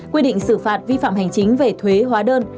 quy định xử phạt vi phạm hành chính về thuê